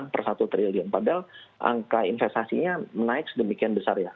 padahal angka investasinya naik sedemikian besar ya